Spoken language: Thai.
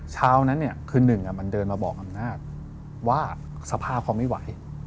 เช้านั้นเนี่ยคือหนึ่งมันเดินมาบอกอำนาจว่าสภาพเขาไม่ไหว